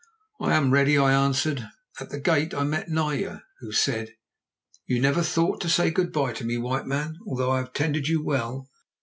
"I am ready," I answered. At the gate I met Naya, who said: "You never thought to say good bye to me, White Man, although I have tended you well.